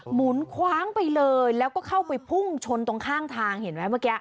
หมุนคว้างไปเลยแล้วก็เข้าไปพุ่งชนตรงข้างทางเห็นไหมเมื่อกี้